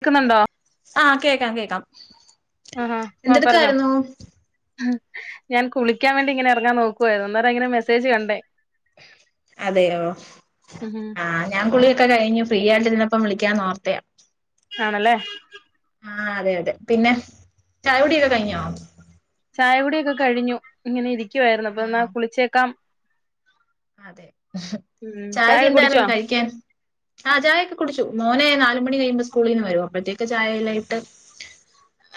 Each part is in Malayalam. ക്കുന്നുണ്ടോ ആഹ് കേക്കാം കേക്കാം ആഹാ ആഹാ പറഞ്ഞോ എന്തെടുക്കായിരുന്നു ഞാൻ കുളിക്കാൻ വേണ്ടി ഇങ്ങനെ എറങ്ങാൻ നോക്കുവായിരുന്നു അന്നേരം ഇങ്ങനെ മെസ്സേജ് കണ്ടേ അതെയോ ഉം ഉം ആഹ് ഞാൻ കുളിയൊക്കെ കഴിഞ്ഞ് ഫ്രീ ആയിട്ട് ഇതിനപ്പം വിളിക്കാ ഓർത്തേ ആണ്ല്ലേ ആ അതെ അതെ പിന്നെ ചായകുടിയൊക്കെ കഴിഞ്ഞോ ചായ കുടിയൊക്കെ കഴിഞ്ഞു ഇങ്ങനെ ഇരിക്കുവായിരുന്നു അപ്പൊ എന്നാ ആഹ് കുളിച്ചേക്കാം ഉം ചായ ചായക്ക് കുടിച്ചോ എന്തായിരുന്നു കഴിക്കാൻ ആഹ ചായയക്കെ കുടിച്ചു മോനെ നാല് മണി കഴിയുമ്പോ സ്കൂളിൽ നിന്ന് വരും അപ്പോഴത്തേക്ക് ചായയെല്ലാം ഇട്ട്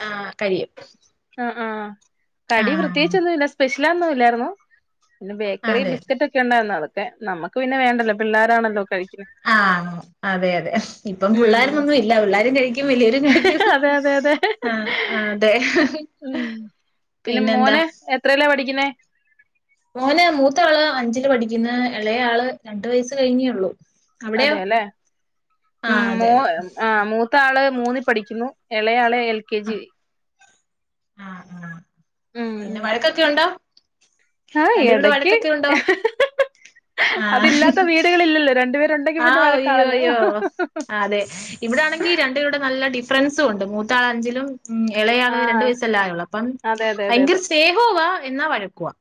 ആ് കയിഴും ആഹ് ആഹ് കടി പ്രത്യേകിചൊന്നുല്ല സ്പെഷ്യലാന്നും ഇല്ലായിരുന്നു പിന്നെ ബേക്കറി അതെ ബിസ്ക്കറ്റ് ഒക്കെ ഉണ്ടായിരുന്നു അതക്കെ നമുക്ക് പിന്നെ വേണ്ടല്ലോ പിള്ളാരാണല്ലോ കഴിക്കാന് ആഹ് അതെ അതെ ഇപ്പം ഉം പിള്ളോരന്നൊന്നും ഇല്ല പിള്ളാരും കഴിക്കും വല്ലേരും കഴിക്കും അതെ അതെ അതെ അഹ്‌ അഹ്‌ അതെ ഉം പിന്നെ പിന്നെന്താ മോന് എത്രലാ പഠിക്ക്ണേ മോന് മൂത്ത ആള് അഞ്ചില് പഠിക്കുന്ന ഇളയ ആള് രണ്ടു വയസ്സ് കഴിഞ്ഞേള്ളു അതെല്ലേ ഉം ആഹ് അതെ മോൻ ആഹ് മൂത്ത ആള് മൂന്നിൽ പഠിക്കുന്നു ഇളയാള് എൽ കെ ആഹ് ജി ആഹ് ആഹ് ഉം പിന്നെ ഉം വഴക്കൊക്കെ യുണ്ടോ ആഹ് രണ്ട് കൂടെ എടക്ക് വഴക്കൊക്കെ ഉണ്ടോ ആഹ് ഹ് ല്ല ല്ല രണ്ട് പേരുണ്ടങ്കി ആഹ അയ്യോ അയ്യോ അതെ ഇവിടെ ആണെങ്കിൽ രണ്ട് കൂടെ നല്ല ഡിഫറൻസും ഉണ്ട് മൂത്താൾ അഞ്ചിലും ഉ ഇളയാള് രണ്ടു ആഹ് വയസല്ല ആയലൂള്ളൂ അപ്പം അതെ അതെ അതെ ഭയങ്കര അതെ സ്നേഹവാ എന്നാ വഴക്കുവാ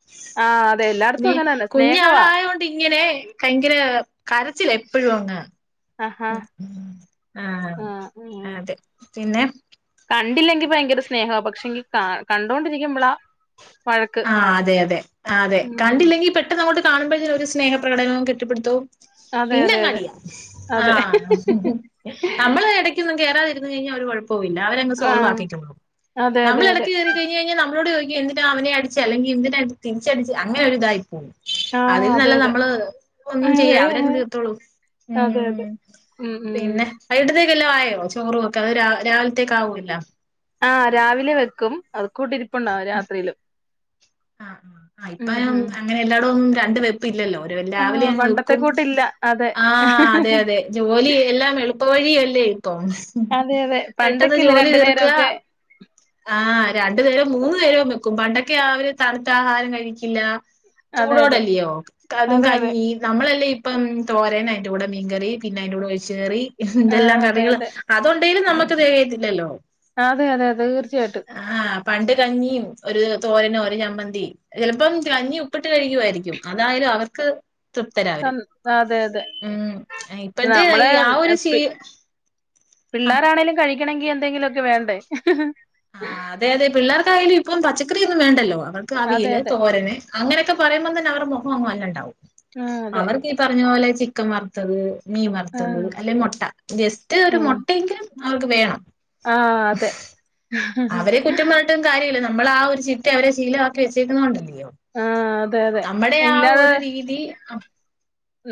ആഹ് അതെ എല്ലായിടത്തും പിന്നെ അങ്ങനെ തന്നെ കുഞ്ഞ് സ്നേഹവാ ആളായോണ്ട് ഇങ്ങനെ ഭയങ്കര കരച്ചില എപ്പോഴും അങ് ആഹാ ഉം ആഹ് അതെ പിന്നെ കണ്ടില്ലെങ്കി ഭയങ്കര സ്നേഹ പക്ഷെങ്കി കണ്ടുകൊണ്ടിരിക്കുമ്പോളാ ആഹ് അതെ അതെ അതെ ഉം കണ്ടില്ലെങ്കിൽ പെ ട്ടങ്ങോട്ട് കാണുമ്പോഴക്ക് ഒരു സ്നഹപകടനവും കെട്ടിടുത്തവും അതെ അതെ അതെ പിന്നെങ്ങടിയാ അതെ ആഹ നമ്മള് ഇടക്കൊന്നും കേറാതിരുന്നു കഴിഞ്ഞാൽ ഒരു കൊഴ പ്പവും ഇല്ല അവരങ് കാ സോൾവ് ആക്കിക്കോളും അതെ അതെ അതെ നമ്മളടക്ക് കയറി കഴിഞ് കഴിഞ്ഞാ നമ്മോട് ചോദിക്ക യെന്തിനാ അവനെ അടി ചെ അല്ലെങ്കി എന്തിനായിട്ട് തിരിച്ചടിച്ച് അനൊ ഇതായി പോകും ആഹ് അതിൽ അതെ നല്ലത് അതെ നമ്മള് ഒന്നും ഏ, ചെയ്യാ അവരെങ്ങെ തീർത്തോളൂ അതെ അതെ ഉം ഉ പിന്നെ വയികിടത്തേക്കെല്ലാം ആയോ ചോറുംവൊക്കെ അത് രാവിലത്തേക്ക ആാവുല്ല ആഹ രാവിലെ വെക്കും അത് കൂട്ട് ഇരിപ്പുണ്ടാവും രാത്രിയിലും ആ ഇപ്പ ഉം ഉം അങ്ങനെ എല്ലായിടും രണ്ട് വെപ്പ് ഇല്ലല്ലോ രാവിലെ ആഹ് പണ്ടത്തെ വെക്കും കൂട്ടില്ല അതെ ആ അതെ അതെ ജോലി എല്ലാം എ ഇള്ളുപ്പ വഴിയല്ലേ ഇപ്പൊ അതെ അതെ പെട്ടെന്ന് പണ്ടൊക്കെല്ലേ ജോലി രണ്ടു തീർക്ക നേരൊക്കെ ആഹ് രണ്ടു നേരവും മൂന്നു നേരോ വെക്കും പണ്ടൊക്കെ അവര് തണുത്ത ആഹാരം കഴിക്കില്ല അതെ അതെ ചൂടോടല്ലയോ അതും അതെ അതെ കഞ്ഞി നമ്മളല്ലേ ഇപ്പം തോരൻ അതിന്റെ കൂടെ മീൻകറി പിന്നെ അതിന്റെ കൂടെ ഒഴിച്ച കറി ആഹ് എന്തെല്ലാം അതെ കറികള് അതെ അത്ണ്ടെങ്കിലും നമുക്ക് തേകത്തില്ലല്ലോ അതെ അതെ അതെ തീർച്ചയായിട്ടും ആഹ് പണ്ട് കഞ്ഞിയും ഒരു തോരനും ഒരു ചമ്മന്തി ചിലപ്പം കഞ്ഞി ഉപ്പിട്ട് കഴിക്കുവായിരിക്കും. അതായാലും അവർക്ക് തൃപ്തരാ അവരും. സം അതെ അതെ ഉം ഇപ്പഴ്ത്തെ നമ്മള് ഈ ആ ഒരു ശീ പി ആഹ് പിള്ളേരാണേലും കഴിക്കണെങ്കി എന്തെങ്കിലുംക്കെ വേണ്ടേ ആഹ് അതെ അതെ പിള്ളേർക്കായാലും ഇപ്പം പച്ചക്കറിയൊന്നും വേണ്ടല്ലോ. അവർക്ക് അതെ അവിയൽ, അതെ തോരന്, അങ്ങനെയൊക്കെ പറയുമ്പം തന്നെ അവർ മുഖം അങ്ങ് വല്ലാണ്ടാവും. ആഹ് അതെ അവർക്ക് ഈ പറഞ്ഞ പോലെ ചിക്കൻ വറുത്തത്, മീൻ വറത്തത് ആഹ് അല്ലെ മൊട്ട ജസ്റ്റ് ഒരു ആഹ് മൊട്ടയെങ്കിലും അവർക്ക് വേണം. ആഹ് അതെ അവരെ കുറ്റം പറഞ്ഞിട്ടും കാര്യവില്ല നമ്മള് ആ ഒരു ചിട്ട അവരെ ശീലമാക്കി വെച്ചേക്കുന്ന കൊണ്ടല്ലയോ. ആഹ് അതെ അതെ നമ്മടെ ആ ഇല്ലാതെ ഒരു രീതി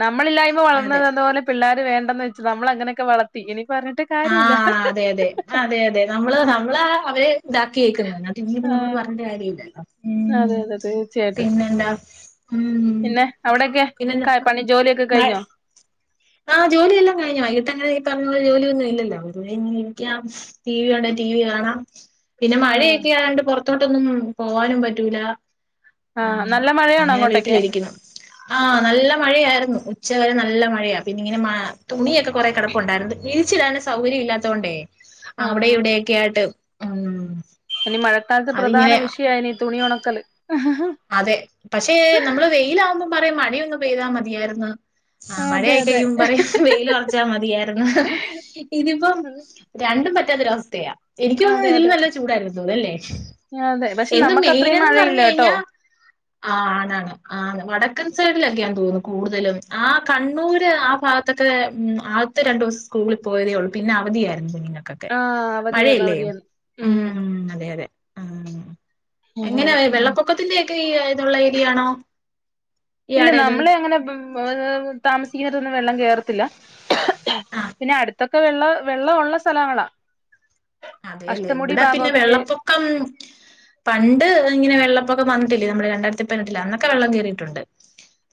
നമ്മളില്ലായ്മ അതെ വളർന്നെന്ന പോലെ പിള്ളോര് വേണ്ടന്ന് വെച്ചു നമ്മൾ അങ്ങനെയൊക്കെ വളർത്തി ഇനി പർഞ്ഞിട്ട് ആഹ് അതെ അതെ അതെ അതെ നമ്മള് നമ്മളാ അവരെ ഇതാക്കി വെക്കുന്നത്. ഇനീപ്പം നമ്മള് ആഹ് പറഞ്ഞിട്ട് കാര്യ ഇല്ലല്ലോ ഉം അതെ അതെ തീർച്ചയായിട്ടും പിന്നെന്താ ഉം. പിന്നെ അവിടെയൊക്കെ പിന്നെന്താ ക പണി ജോലിയൊക്കെ മഴ കഴിഞ്ഞോ? ആഹ് ജോലിയെല്ലാം കഴിഞ്ഞു. വൈകിട്ടങ്ങനെ ഈ പറഞ്ഞ പോലെ ജോലിയൊന്നും ഇല്ലല്ലോ. [unintelligible] ഇരിക്കാം ടി വി കാൺണെ ടി വി കാണാം പിന്നെ ആഹ് മഴയൊക്കെ ആയോണ്ട് പുറത്തോട്ടൊന്നും പോവാനും പറ്റൂല. ആഹ് നല്ല മഴയാണോ അങ്ങനെ അങ്ങോട്ടൊക്കെ വീട്ടിലിരിക്കുന്നു. ആഹ് നല്ല മഴയായിരുന്നു. ഉച്ച വരെ നല്ല മഴയാ. പിന്നെ ഇങ്ങനെ മ തുണിയൊക്കെ കുറെ കിടപ്പുണ്ടായിരുന്നു. വിരിച്ചിടാൻ സൗകര്യം ഇല്ലാത്തൊണ്ടേ ആഹ് അവിടെ ആഹ് ഇവിടെയൊക്കെ ആയിട്ട് ഉം ഇനി മഴക്കാലത്ത് പ്രധാന അതിങ്ങനെ വിഷയാ ഇനി തുണി ഉണക്കല്. അതെ. പക്ഷേ നമ്മള് വെയിലാവുമ്പം പറയും മഴയൊന്ന് പെയ്താ മതിയായിര്ന്ന്. ആഹ് അതെ മഴയായി അതെ കഴിയുമ്പം പറയും വെയിലൊർ ച്ചാ മതിയായിരുന്നു. ഇതിപ്പം രണ്ടും പറ്റാത്തൊരവസ്ഥയാ. എനിക്ക് തോന്നുന്നു അതെ ഇതിലും അതെ നല്ലത് ചൂടായിരുന്നു തോന്നല്ലേ. അതെ പക്ഷെ എന്നും നമുക്ക് അത്രയും മെയിനെന്ന് മഴയില്ല പറഞ്ഞു കേട്ടോ കഴിഞ്ഞാ ആഹ് ആണ് ആണ്. ആണ് വടക്കൻ സൈഡിലൊക്കെ ആണ് തോന്നുന്നു കൂടുതലും. ആ കണ്ണൂര് ആ ഭാഗ ത്തൊക്കെ ഉം ആദ്യത്തെ രണ്ട് ദിവസം സ്കൂളി പോയതേ ഉള്ളൂ പിന്നെ അവധിയായിരുന്നു കുഞ്ഞിനൊക്കെ. ക്കെ ആഹ് അവധിയായിരുന്നു മഴയല്ലേ അവധിയായിരുന്നു ഉം അതെ അതെ. ഉം അതെ അതെ എങ്ങനാവേ ഉം വെള്ളപ്പൊക്കത്തിന്റെ ഒക്കെ ഇതുള്ള ഏരിയാണോ? ഇല്ല ഇയാടേത്? നമ്മളെ അങ്ങനെ താമസിക്കുന്നെട്ത്തൊന്നും വെള്ളം കേറത്തില്ല. ആഹ് പിന്നെ അടുത്തൊക്കെ വെള്ള വെള്ളം ഉള്ള സ്ഥലങ്ങളാ. അതെയല്ലേ അഷ്ടമുടി ഇവിടെ പിന്നെ ഭാഗമൊക്കെ കേ വെള്ളപ്പൊക്കം, പണ്ട് ഇങ്ങനെ വെള്ളപ്പൊക്കം വന്നിട്ടില്ലേ നമ്മള് രണ്ടായിരത്തി പതിനെട്ടില് അന്നൊക്കെ വെള്ളം കേറിയിട്ടുണ്ട്.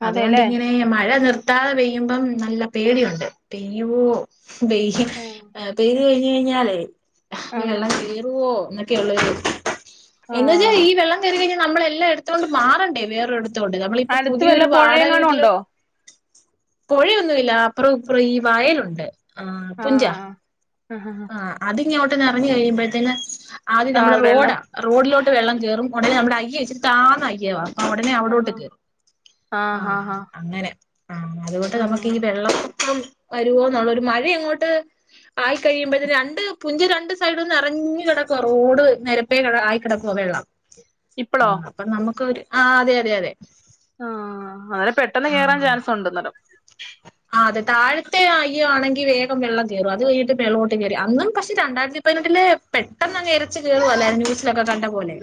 അതെല്ലേ അതുകൊണ്ടിങ്ങനെ മഴ നിർത്താതെ പെയ്യുമ്പം നല്ല പേടിയുണ്ട്. പെയ്യുവോ, പെയ്യ് ആഹ് ഏഹ് പെയ്ത് കഴിഞ്ഞഴിഞ്ഞാലേ ആഹ് വെള്ളം ആഹ് കേറുവോ എന്നൊക്കെയുള്ളൊര് എന്ന് വെച്ചാ ആഹ് ഈ വെള്ളം കേറി കഴിഞ്ഞാ നമ്മളെല്ലാം എട് ത്തോണ്ട് മാറണ്ടേ, വേറൊരിടൊത്തോട്ട്. നമ്മളിപ്പം അടുത്ത് വല്ല പുതിയൊരു വാടക പുഴയെങ്ങാനും വീട്ടിലോ ഉണ്ടോ പുഴയൊന്നുവില്ല അപ്പുറവും ഇപ്പറവും ഈ വയലുണ്ട്. ആഹ് ആഹ ഹാ ആഹ് അതിങ്ങോട്ട് നിറഞ്ഞ് കഴിയുമ്പഴ്‌ത്തേന് ആദ്യം ആഹ് നമ്മുടെ റോഡാ. വെള്ളം റോഡിലോട്ട് വെള്ളം കേറും ഉടനെ അയ്യെ ഇച്ചിരി താന്ന അയ്യവാ. ഉടനെ അവിടോട്ട് ആഹ് കേറും ആഹ് അങ്ങനെ. ആഹ് അതുകൊണ്ട് നമുക്ക് ആഹ് ഈ വെള്ളപൊക്കം വരുവോ എന്നുള്ളൊരു മഴ അങ്ങോട്ട് ആയി കഴിയുമ്പേത്തിന് രണ്ട് പുഞ്ച് രണ്ട് സൈഡും നെറഞ്ഞ് കിടക്കുവാ. റോഡ് നെര പ്പെ കെട ആയിക്കിടക്കുവാ വെള്ളം. ഇപ്പളോ ആഹ് അപ്പം നമുക്കൊര് ആഹ് അതെ അതെ അതെ. ആഹ് അങ്ങനെ പെട്ടെന്ന് കേയറാൻ ആഹ് ചാൻസ് ഉണ്ടെന്നേരം ആഹ് അതെ താഴത്തെ അയ്യ ആണെങ്കിൽ വേഗം വെള്ളം കയറും അത് കഴിഞ്ഞിട്ട് മെലോട്ട് കയറി അന്നും പക്ഷെ രണ്ടായിരത്തി പതിനട്ടിലെ പെട്ടെന്ന് അങ്ങ് ഇരച്ചുകയറു വല്ല ന്യൂസിലൊക്കെ കണ്ട പോലെ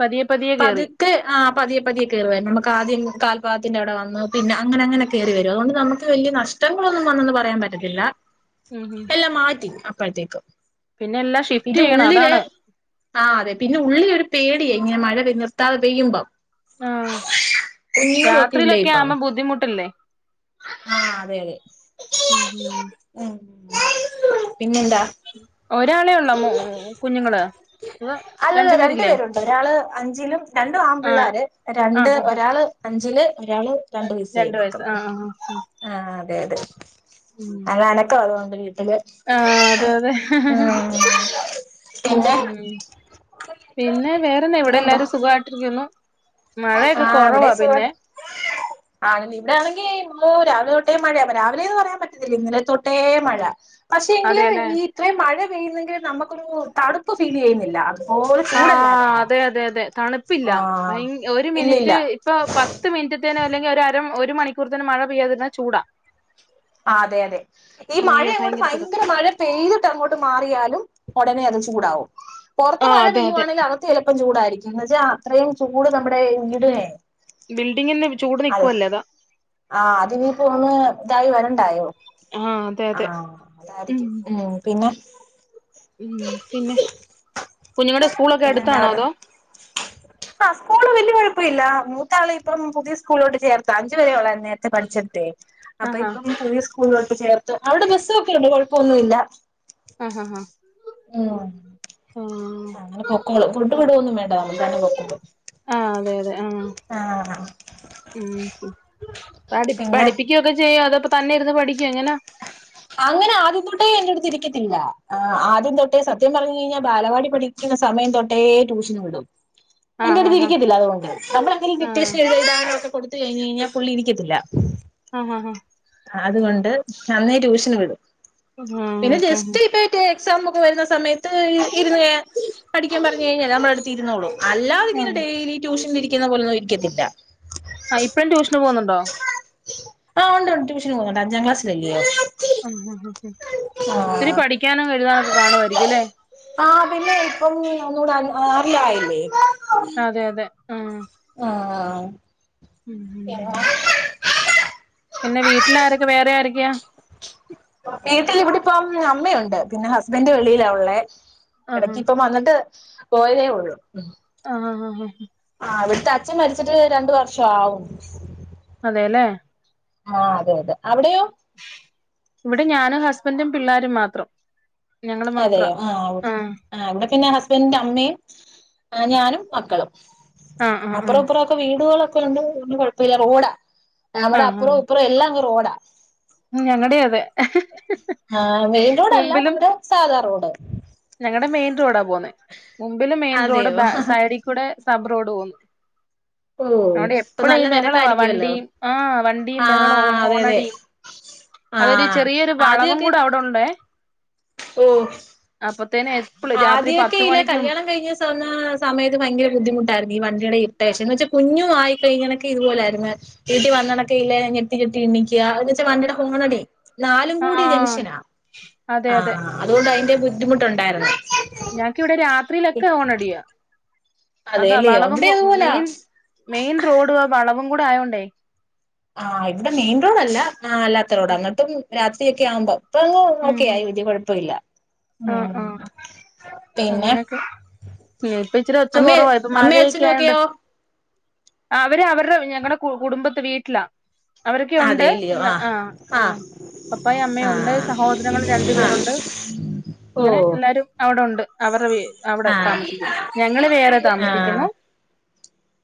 പതിയെ പതിയെ കേറി പതുക്കെ ആഹ് പതിയെ പതിയെ കേറുമായിരുന്നു നമുക് ആദ്യം കാൽപാകത്തിന്റെ അടെ വന്ന് പിന്നെ അങ്ങനെ അങ്ങനെ കയറി വരും അതൊണ്ട് നമുക്ക് വലിയ നഷ്ടങ്ങളൊന്നും വന്നൊന്ന് പറയാൻ പറ്റത്തില്ല ഉം ഉം എല്ലാം മാറ്റി അപ്പഴത്തേക്ക് പിന്നെ എല്ലാം ഷിഫ്റ്റ് പിന്നെ ചെയ്യണം ഉള്ളില് അതാണ് ആഹ് അതെ പിന്നെ ഉള്ളിലൊരു പേടിയെ ഇങ്ങനെ മഴ നിർത്താതെ പെയ്യുമ്പം ആഹ് കുഞ്ഞിങ്ങളൊകെ ഇല്ലേ ഇപ്പം ബുദ്ധിമുട്ടില്ലേ ആഹ് അതെ അതെ ഉം ഉം ഉം പിന്നെന്താ ഒരാളേ ഉള്ളു കുഞ്ഞുങ്ങള് അതോ അല്ലല്ല രണ്ടു പേരില്ലേ പേരുണ്ട് ഒരാള് അഞ്ചിലും രണ്ടും ആഹ് ആണ്പിള്ളോര് രണ്ട് ആഹ് ആഹ് ഒരാള് അഞ്ചില് ഒരാള് രണ്ട് വയസ് വയസ്സ് കഴിഞ്ഞുക്ന്ന് ആഹ് ആഹ് ആഹ് അതെതെ അങ്ങ അനക്ക് അതുകൊണ്ട് വീട്ടില് ആഹ് അതെ അതെ ഹ ഹ ഉം ഉം പിന്നെ ഉം പിന്നെ വേറെന്താ ഇവിടെ പിന്നെന്താ എല്ലാരും സുഖമായിട്ടിരിക്കുന്നു മഴയൊക്കെ കുറവാ പിന്നെ ആണെല്ല ഇവിടെ ആണെങ്കിൽ ഓ രാവിലെ തൊട്ടേ മഴയ അപ്പൊ രാവിലെയ എന്ന് പറയാൻ പറ്റത്തില്ല ഇന്നലെ തൊട്ടേ മഴ പക്ഷെ അതെല്ലേ ഇത്രയും മഴ പെയ്യുന്നെങ്കിൽ നമുക്കൊരു തണുപ്പ് ഫീൽ ചെയ്യുന്നില്ല അതുപോലെ ആഹ് ചൂടല്ലായിരുന്നോ അതെ അതെ അതെ തണുപ്പില്ല ആഹ് ഭ ഒരു ഇല്ലില്ല മിനിറ്റ് ഇപ്പൊ പത്ത് ഒരു മിനിറ്റത്തിന് അല്ലങ്കി ഒരു അര മണിക്കൂർത്തിനന് മഴ പെയ്യതിരുന്ന ചൂടാ ആഹ് അതെ അതെ ഈ അയ്യോ മഴയ അങ്ങോട്ട് ചൂടാ ഭയങ്കര മഴ പെയ്തിട്ട് അങ്ങോട്ട് മാറിയാലും ഉടനെ അത് ചൂടാവും പുറത്ത് ആഹ് മഴ അതെ അതെ പെയ്യുവാണെങ്കിൽ ചിലപ്പം ചൂടായിരിക്കും എന്നന്ന്ച്ചാ അത്രയും ചൂട് നമ്മുടെ വീടിനെ ബിൽഡിംഗി നിന്ന് ചൂട് അതെ നൽക്കുവല്ലേ അതാ ആഹ് അതിനി പോന്ന് ഇതായി വരണ്ടായോ ആഹ് അതെ ആ അതെ അതായിരിക്കും ഉം പിന്നെ ഉം പിന്നെ കുഞ്ഞുങ്ങളുടെ സ്കൂളൊക്കെ പിന്നെന്താ അടുത്താണോ പറ അതോ ആഹ് സ്കൂള് വല്യ കുഴപ്പം ഇല്ല മൂത്താള ഇപ്പം പുതിയ സ്കൂളിലോട്ട് ചേർത്ത അഞ്ചു പരെ ഉള്ളായിരുന്ന നേരത്തെ പഠിച്ചെടാതെ അപ്പൊ ആഹാ ഇപ്പം പുതിയ സ്കൂളിലോട്ട് ചേർത്ത് അവിടെ ബസ്സൊക്കെണ്ട് കുഴപ്പംമൊന്നുല്ല ആഹാ ഹാ ഉ ആഹ് അങ്ങനെ പൊക്കോളും ഫുഡ് കൊണ്ട് വിടൊന്നും വേണ്ട താനെ തന്നെ പൊക്കോളും ആഹ് അതെ അതെ ആഹ് ആഹ് ഉം ഉം. പഠി പിന്നെ പഠിപ്പിക്കുവൊക്ക ചെയ്യോ അതപ്പോ തന്നെ ഇരുന്ന് പഠിക്കോ എങ്ങനാ അങ്ങനെ ആദ്യം തൊട്ടേ എന്നോട് ഇരിക്കത്തില്ല ആദ്യം തൊട്ടേ സത്യം പറഞ്ഞു കഴിഞ്ഞാൽ ബാലവാടി പഠി ക്കുന്നസമയം തൊട്ടേ ട്യൂഷന് വിടും എന്റെ ആഹ് അടുത്ത് ആഹ് ഇരിക്കത്തില്ല അതുകൊണ്ട് നമ്മളെന്തെങ്കിലും ആഹ് ഡിറ്റേഷനോഎഴുതാനോ ഒക്കെ കൊടുത്ത കഴിഞ്ഞാ പുള്ളി ഇരിക്കത്തില്ല ആഹ് ഹ ഹ അതുകൊണ്ട് അന്നേ ട്യൂഷന് വിടും ആഹ് പിന്നെ ആഹ് ജസ്റ്റ് ഇപ്പെ മറ്റ എക്സാം ഒക്കെ വരുന്ന സമയത്ത് ഇരുന്ന പഠിക്കാൻ പറഞ്ഞു കഴിഞ്ഞാൽ നമ്മള അടുത്ത് ഇരുന്നോളൂ അല്ലാത ഇങ്ങനെ ആഹ് ഡെയിലി ട്യൂഷനി ഇരിക്കുന്ന പോലൊ ഒന്നും ഇരിക്കത്തില്ല ആ ഇപ്പഴും ട്യൂഷന് പോകുന്നുണ്ടോ ആഹ് ഉണ്ട് ട്യൂഷന് പോകുന്നുണ്ട് അഞ്ചാം ക്ലാസ്സൽ അല്ലയോ ഉം ഹ് ഹ് ഒത്തിരി പഠിക്കാനും എഴുതാനൊക്കെ കാണുമായിരിക്കും ലേ ആഹ പിന്നെ ഇപ്പം ഒന്നൂടെ അൻ ആറിലായിലേ അതെ അതെ ആഹ ആഹ് ഉം ഉം [inaudible] പിന്നെ വീട്ടിലാരൊക്കെ വേറെ ആരെക്കെയാ വീട്ടില് ഇവിടിപ്പം അമ്മയുണ്ട് പിന്നെ ഹസ്ബന്റ് വെളിയിലാ ഉള്ളെ ആഹാ എടക്ക് ഇപ്പം വന്നട്ട് പോയതെ ഉള്ളൂ ആഹ ഹ ഹ ആഹ് ആ അവിട്ത്തെ അച്ഛൻ മരിച്ചിട്ട് രണ്ട് വർഷം ആവും അതെലേ ആ അതെ തെ അവിടെ ഇവിടെ ഞാനും ഹസ്ബന്റും പിള്ളേരും മാത്രം ഞങ്ങള് മാത്രാ അതെയോ ആഹ ഔ ആഹ് അവിടെ തന്നെ ഹസ്ബന്റിന്റെ അമ്മയും ആ ഞാനും മക്കളും ആഹ് ആഹ ആ ഒക്കെ വീടുകളൊക്കെ ഉണ്ട് ഒന്നു കൊഴപ്പൊന്നില്ല റോഡാ ഇവ്ടെ അപ്പുറം ഉപ്പുറം എല്ലാം റോഡാ ഉം ഞങ്ങടെ അതെ ആഹ മെയിൻ റോഡ്ല്ല മുമ്പിലും നമ്മടെ സാധാ റോഡ് ഞങ്ങടെ മെയിൻ റോഡാ പോകുന്നേ മുമ്പില് മെയിൻ റോഡ് അതെയോ സൈഡ് കൂടെ സബ് റോഡ് പോവ്ന്നു ഓഹ് അയോണ്ട് ഇപ്പൊ എപ്പളും നല്ല ബഹളവാ തിരക്കായിരിക്കുവല്ലോ വണ്ടിയും ആഹ വണ്ടിയും ബഹളും ആഹ് ഓ അതെ അതെ ഓണടിം അതൊരു ആഹ് ചെറിയൊരു വളവും കൂടെ അവ് ടെണ്ടേ ഓസ് അപ്പത്തേന്നെ എപ്ലളും രാത്രി പത്ത് മണിക്ക്യും [unintelligible] ആ സമയത്ത് ഭയങ്കര ബുദ്ധിമുട്ടായിരുന്നു ഈ വണ്ടിയുടെ ഇറിട്ടേഷൻ എന്ന് വച്ച കുഞ്ഞു ആയി കഴിഞ്ഞൊക്കെ ഇതുപോലെയായിരുന്നേ വീട്ടി വന്നന്നൊക്കെയില്ലെ ഞെട്ടി ഞെട്ടി എണീക്ക്യാ അവ്ന്ന് വച്ചാ വണ്ടിയിടെ ഹോണടി നാലും കൂടി ആഹ് ജംഗ്ഷനാ അതെ അതെ ആഹ് അതുകൊണ്ട് അയിന്റെ ബുദ്ധിമുട്ടുണ്ടായിരുന്നു ഞങ്ങക്കിവിടെ രാത്രിയിലൊക്കെ ഹോണടിയാ അതാ അതേല്ലിയോ വളവും ഇവിടെ അതുപോലാ മെയിൻ മെയിൻ റോഡു ആ വളവും കൂടെ ആയോണ്ടേ ആ ഇവ്ടെ മെയിൻ റോഡല്ല അല്ലാത്ത റോഡാ ഇന്നട്ടും രാത്രിയൊക്കെ ആവുമ്പൊം ഇപ്പംങ്ങ് ഉം ഓക്കേയായി വല്യ കൊഴപ്പയില്ല ആഹ് ഉം ആഹ് പിന്നെ ഞ്ഞിപ്പ ഇച്ചിരി ഒച്ച അമ്മേ കൊറവാ ഇപ്പൊ അമ്മയും മഴയൊക്കെ അച്ഛനും ആയോണ്ട് ഒക്കെയോ അവര് അവര്ടെ ഞങ്ങടെ കുടുംബത്ത് വീട്ട്ലാ അവരൊക്കെയ് ഉണ്ട് അതേല്ലിയോ എല്ല ആഹ് ആഹ ആ ആഹ് പപ്പയ് അമ്മയും ഉണ്ട് ആഹ് സഹോദരങ്ങള് രണ്ടു ആഹ് പേരുണ്ട് അങ്ങനെ ഓഹ് എല്ലാരും അവ്ടെ ഉണ്ട് അവരെ വെ അവ്ടെ ആഹ് താമസിക്യുന്നു ഞങ്ങള് വേറെ ആഹ് താമസിക്യുന്നു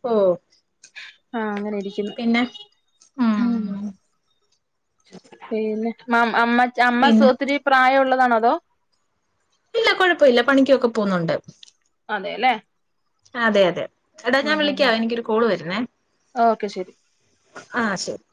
ഓ ആഹ അങ്ങനെരി പിന്നെ ഉം പിന്നെ [unintelligible] അമ്മ പിന്നെ ഒത്തിരി പ്രായംള്ളതാണോ അതോ ഇല്ല കൊഴപ്പൊ ഇല്ല പണിക്കൊക്കെ പോവുന്നുണ്ട് അതെലേ അതെ അതെ എടാ ഞാൻ ആഹ് വിളിക്ക്യാവേ എനിക്കൊരു കോള് വര്ണേ ഓക്കെ ശരി ആ ശെരി